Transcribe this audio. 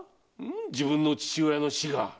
自分の父親の死が。